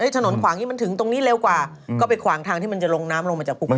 ถนนขวางนี้มันถึงตรงนี้เร็วกว่าก็ไปขวางทางที่มันจะลงน้ำลงมาจากภูเขา